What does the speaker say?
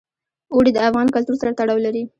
اوړي د افغان کلتور سره تړاو لري.